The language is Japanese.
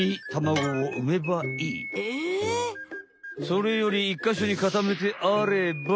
それより１かしょにかためてあれば。